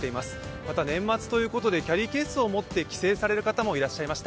また年末ということでキャリーケースを持って帰省される方もいらっしゃいました。